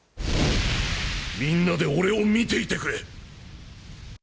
みんなで俺を見ていてくれ！